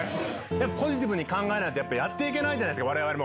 ポジティブに考えないと、やっぱやっていけないじゃないですか、われわれも。